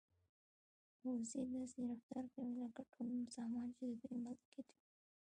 وزې داسې رفتار کوي لکه ټول سامان چې د دوی ملکیت وي.